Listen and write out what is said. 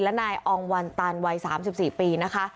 และนายอองวันตันวัย๓๔ปีนะคะ